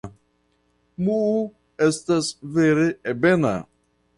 Muhu estas vere ebena.